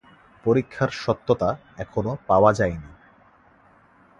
পরীক্ষার সত্যতা এখনও পাওয়া যায়নি।